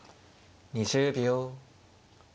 ２０秒。